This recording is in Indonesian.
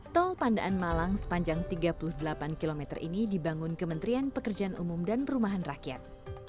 tol pandaan malang sepanjang tiga puluh delapan km ini dibangun kementerian pekerjaan umum dan perumahan rakyat